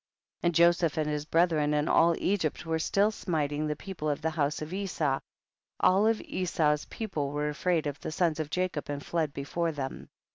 21. And Joseph and his brethren and all Egypt were still smiting the people of the house of Esau, and all Esau's people were afraid of the sons of Jacob and fled from before them, 22.